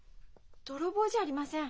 泥棒じゃありません。